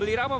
beli apa pak